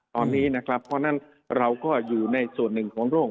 ตอนนี้นะครับเพราะฉะนั้นเราก็อยู่ในส่วนหนึ่งของโรค